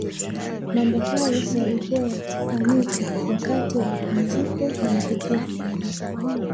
Mambo hayo yalikuwa yakifanyika wakati wa mapumziko na matukio fulani